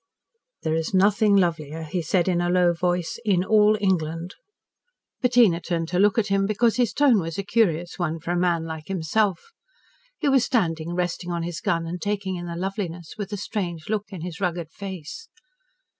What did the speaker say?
"There is nothing lovelier," he said in a low voice, "in all England." Bettina turned to look at him, because his tone was a curious one for a man like himself. He was standing resting on his gun and taking in the loveliness with a strange look in his rugged face.